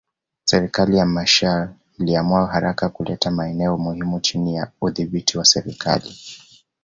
Serikali ya Machel iliamua haraka kuleta maeneo muhimu chini ya udhibiti wa serikali